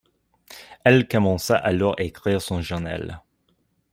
Elle commença alors écrire son journal.